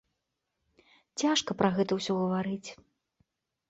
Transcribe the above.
Цяжка пра гэта ўсё гаварыць.